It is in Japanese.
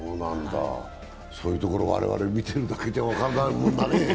そういうところ、我々、見ているだけでは分からないものだね。